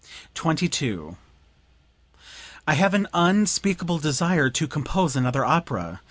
22. "I have an unspeakable desire to compose another opera....